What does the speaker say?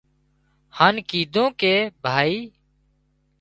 هانَ ڪيڌون ڪي ڀائي